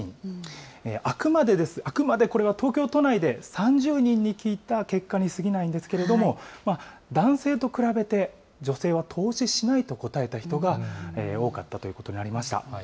あくまで、あくまでこれは東京都内で３０人に聞いた結果にすぎないんですけれども、男性と比べて、女性は投資しないと答えた人が多かったということになりました。